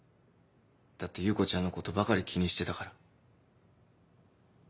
だって優子ちゃんのことばかり気にしてたから。